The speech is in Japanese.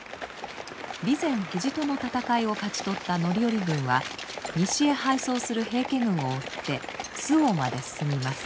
備前藤戸の戦いを勝ち取った範頼軍は西へ敗走する平家軍を追って周防まで進みます。